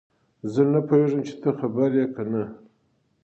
زه نه پوهیږم چې ته خبر یې که نه